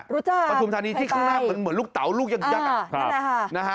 รู้จักใครไปประทุมฐานีที่ข้างหน้าเหมือนลูกเตาลูกยังยักษ์